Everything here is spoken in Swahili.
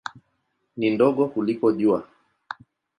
Ni ndogo kuliko Jua.